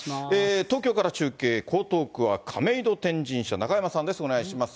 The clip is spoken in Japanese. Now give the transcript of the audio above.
東京から中継、江東区は亀戸天神社、中山さんです、お願いします。